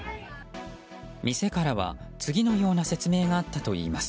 店からは次のような説明があったといいます。